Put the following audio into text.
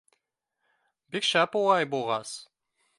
— Бик шәп улай булғас.